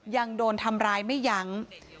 ยังโดนทำร้ายไม่ยั้ง